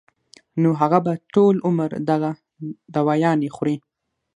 نو هغه به ټول عمر دغه دوايانې خوري